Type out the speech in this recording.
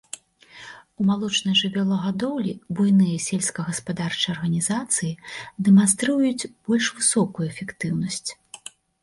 У малочнай жывёлагадоўлі буйныя сельскагаспадарчыя арганізацыі дэманструюць больш высокую эфектыўнасць.